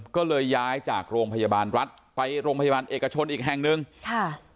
ก็เลยย้ายจากโรงพยาบาลรัฐไปโรงพยาบาลเอกชนอีกแห่งหนึ่งค่ะ